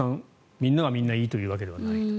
みんながみんないいというわけではない。